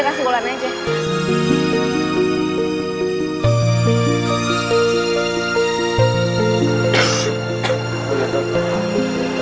karena gue merupakan boneka